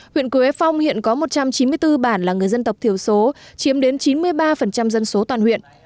huyện quế phong hiện có một trăm chín mươi bốn bản là người dân tộc thiểu số chiếm đến chín mươi ba dân số toàn huyện